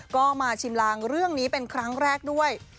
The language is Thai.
ก็มาชิมลางเรื่องนี้เป็นครั้งแรกด้วย